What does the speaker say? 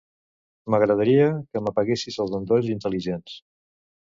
M'agradaria que m'apaguessis els endolls intel·ligents.